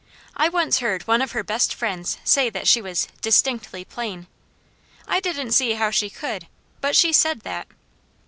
I once heard one of her best friends say she was "distinctly plain." I didn't see how she could; but she said that.